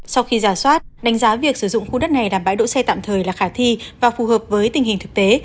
sau khi giả soát đánh giá việc sử dụng khu đất này làm bãi đỗ xe tạm thời là khả thi và phù hợp với tình hình thực tế